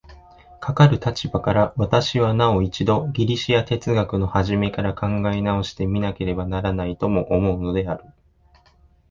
かかる立場から、私はなお一度ギリシヤ哲学の始から考え直して見なければならないとも思うのである。